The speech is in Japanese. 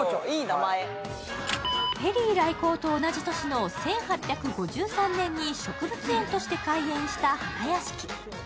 ペリー来航と同じ年の１８５３年に植物園として開園した花やしき。